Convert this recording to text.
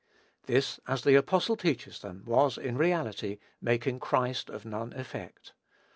This, as the apostle teaches them, was in reality "making Christ of none effect."